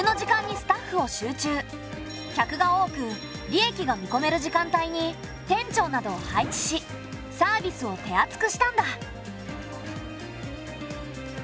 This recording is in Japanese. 客が多く利益が見込める時間帯に店長などを配置しサービスを手厚くしたんだ。